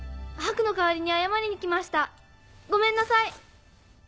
ハクの代わりに謝りに来ましたごめんなさい。